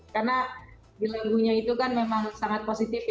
karena di lagunya itu kan memang sangat positif ya